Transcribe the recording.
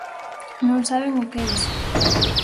Non saben o que é iso.